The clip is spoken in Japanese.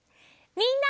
みんな。